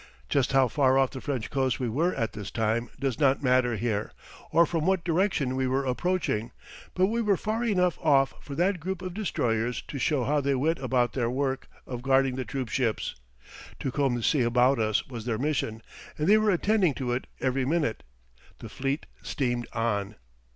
Just how far off the French coast we were at this time does not matter here, or from what direction we were approaching; but we were far enough off for that group of destroyers to show how they went about their work of guarding the troop ships. To comb the sea about us was their mission; and they were attending to it every minute. The fleet steamed on.